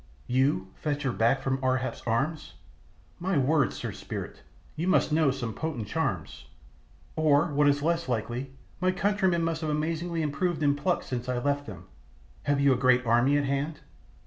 "You to fetch her back, and from Ar hap's arms? My word, Sir Spirit, you must know some potent charms; or, what is less likely, my countrymen must have amazingly improved in pluck since I left them. Have you a great army at hand?"